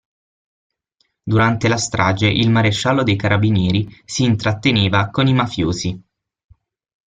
Durante la strage il maresciallo dei carabinieri si intratteneva con i mafiosi.